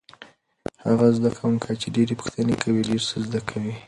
هغه زده کوونکی چې ډېرې پوښتنې کوي ډېر څه زده کوي.